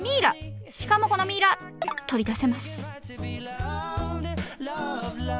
しかもこのミイラ取り出せます。